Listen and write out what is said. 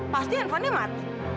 pasti handphonenya mat